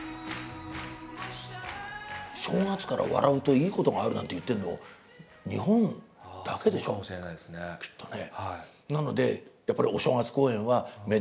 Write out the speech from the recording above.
正月から笑うといいことがあるなんて言ってるの日本だけでしょきっとね。